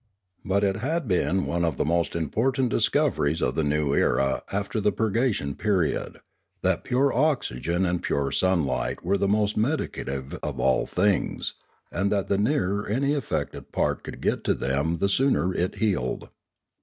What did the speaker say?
But it had been one of the most important discoveries of the new era after the purgation period, that pure oxygen and pure sunlight were the most medicative of all things, and that the nearer any affected part could get to them the sootier it healed.